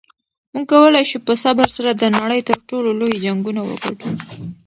موږ کولی شو په صبر سره د نړۍ تر ټولو لوی جنګونه وګټو.